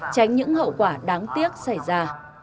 tránh những hậu quả đáng tiếc xảy ra